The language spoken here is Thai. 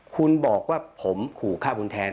คุณบอกว่าผมขู่ฆ่าบุญแทน